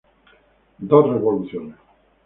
Dos revoluciones".